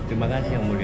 terima kasih yang mulia